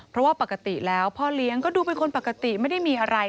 เพราะว่าปกติแล้วพ่อเลี้ยงก็ดูเป็นคนปกติไม่ได้มีอะไร